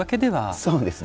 そうですね。